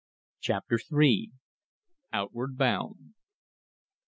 CHAPTER III. OUTWARD BOUND.